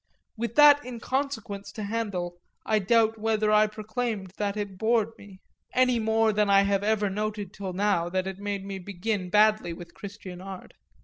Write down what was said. With that inconsequence to handle I doubt whether I proclaimed that it bored me any more than I have ever noted till now that it made me begin badly with Christian art.